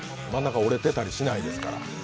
真ん中折れてたりしないですから。